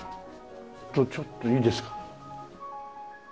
ちょっといいですか？